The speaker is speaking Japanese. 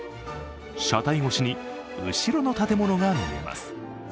車体越しに後ろの建物が見えます。